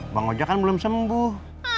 bang ojek kan belum sembuh